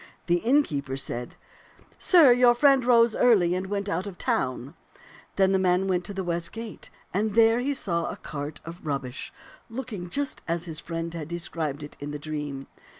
The innkeeper said, *Sir, your friend rose early and went out of town.' Then the man went to the west gate, and there he saw a cart of rubbish looking just as his friend had described it in the dream.